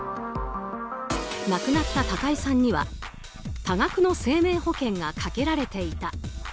亡くなった高井さんには多額の生命保険がかけられていた。